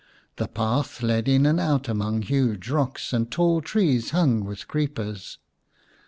The path led in and out among huge rocks and tall trees hung with creepers.